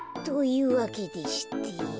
というわけでして。